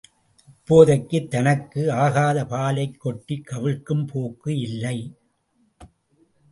இப்போதைக்குத் தனக்கு ஆகாத பாலைக் கொட்டிக் கவிழ்க்கும் போக்கு இல்லை.